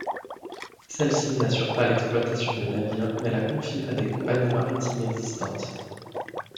Celle-ci n’assure pas l’exploitation des navires mais la confie à des compagnies maritimes existantes.